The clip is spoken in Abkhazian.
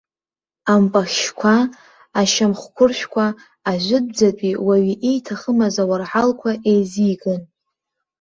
Ампахьшьқәа, ашьамхқәыршәқәа, ажәытәӡатәи, уаҩы ииҭахымыз ауарҳалқәа еизигон.